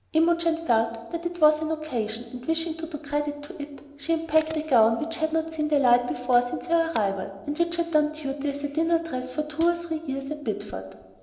Imogen felt that it was an occasion, and wishing to do credit to it, she unpacked a gown which had not seen the light before since her arrival, and which had done duty as a dinner dress for two or three years at Bideford.